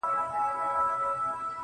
o په وينو لژنده اغيار وچاته څه وركوي.